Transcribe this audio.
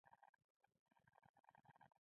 د روغبړ وروسته خبرې وکړې.